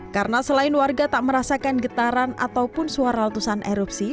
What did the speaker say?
karena selain warga tak merasakan getaran ataupun suara latusan erupsi